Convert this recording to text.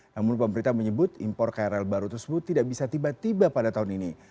namun pemerintah menyebut impor krl baru tersebut tidak bisa tiba tiba pada tahun ini